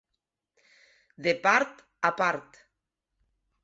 De part a part.